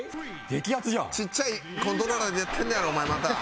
ちっちゃいコントローラーでやってんねやろお前また。